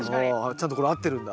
ちゃんとこれ合ってるんだ。